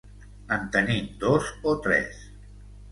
En tenim dos o tres.